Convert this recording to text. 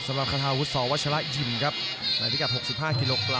สำหรับคาทาวุทธสวชลาหยิมครับในพี่กับ๖๕กิโลกรัม